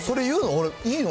俺、いいの？